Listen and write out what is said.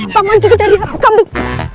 paman juga dari kampung